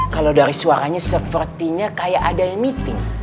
kalau dari suaranya sepertinya kayak ada yang meeting